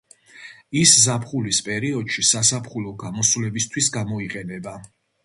ის ზაფხულის პერიოდში საზაფხულო გამოსვლებისთვის გამოიყენება.